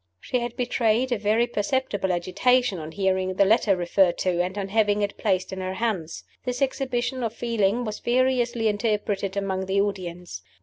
She had betrayed a very perceptible agitation on hearing the letter referred to, and on having it placed in her hands. This exhibition of feeling was variously interpreted among the audience.